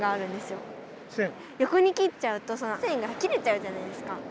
よこに切っちゃうとその線が切れちゃうじゃないですか。